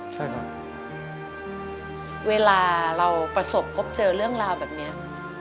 ใช่ครับเวลาเราประสบพบเจอเรื่องราวแบบนี้